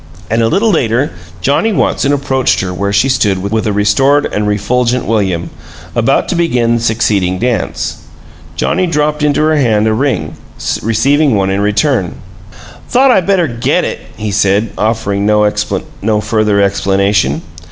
And a little later Johnnie Watson approached her where she stood with a restored and refulgent William, about to begin the succeeding dance. Johnnie dropped into her hand a ring, receiving one in return. "I thought I better GET it," he said, offering no further explanation.